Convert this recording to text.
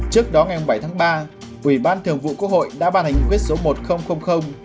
trước đó ngày bảy tháng ba ủy ban thường vụ quốc hội đã ban hành quyết số một nghìn